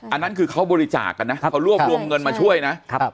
อันนั้นคือเขาบริจาคกันนะถ้าเขารวบรวมเงินมาช่วยนะครับ